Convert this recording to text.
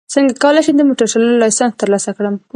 څنګه کولی شم د موټر چلولو لایسنس ترلاسه کړم